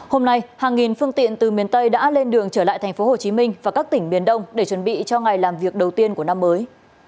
hôm nay hàng nghìn phương tiện từ miền tây đã lên đường trở lại tp hcm và các tỉnh miền đông để chuẩn bị cho ngày làm việc đầu tiên của năm mới